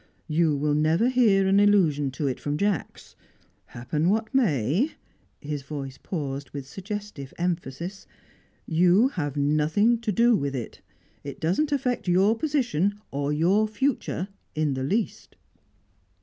You will never hear an allusion to it from Jacks. Happen what may" his voice paused, with suggestive emphasis "you have nothing to do with it. It doesn't affect your position or your future in the least."